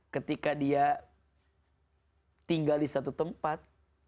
ketika dia tinggal di satu tempat